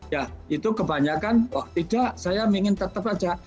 ya itu kebanyakan oh tidak saya ingin tetap saja